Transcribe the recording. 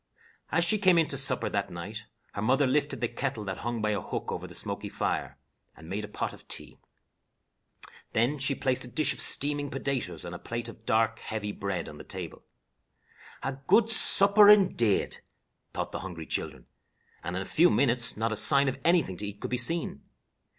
As she came in to supper that night, her mother lifted the kettle that hung by a hook over the smoky fire and made a pot of tea. Then she placed a dish of steaming potatoes and a plate of dark, heavy bread on the table. "A good supper, indade," thought the hungry children, and in a few minutes not a sign of anything to eat could be seen.